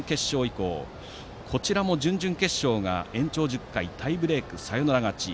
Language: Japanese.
こちらも準々決勝が延長１０回タイブレークサヨナラ勝ち。